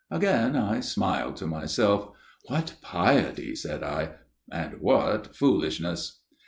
" Again I smiled to myself. What piety ! said I, and what foolishness